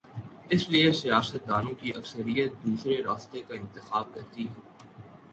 اس لیے سیاست دانوں کی اکثریت دوسرے راستے کا انتخاب کر تی ہے۔